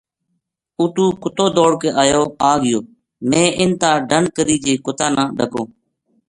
اُتو کُتو دوڑ کے آگیو میں اِنھ تا ڈَنڈ کری جے کُتا نا ڈَکو ں